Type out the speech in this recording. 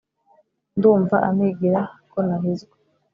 ndumva ampigira ko nahizwe